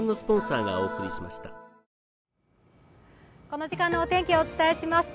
この時間のお天気をお伝えします。